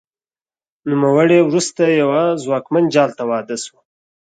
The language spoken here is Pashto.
نوموړې وروسته یوه ځواکمن جال ته واده شوه